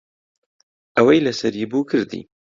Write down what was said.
ئەوەی لەسەری بوو کردی.